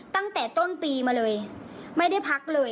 ตั้งแต่ต้นปีมาเลยไม่ได้พักเลย